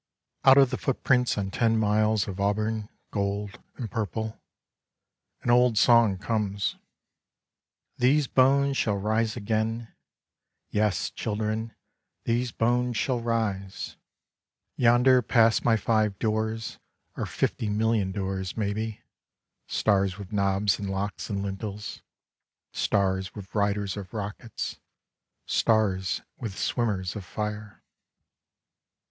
*' Out of the footprints on ten miles of auburn, gold and purple — an old song comes: These bones shall rise again. Yes, children, these bones shall rise. Slabs of the Sunburnt West 71 " Yonder past my five doors are fifty million doors, maybe, stars with knobs and locks and lintels, stars with riders of rockets, stars with swimmers of fire.